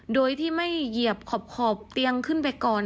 โดยที่ไม่เหยียบขอบเตียงขึ้นไปก่อน